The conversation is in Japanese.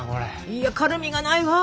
いや軽みがないわ。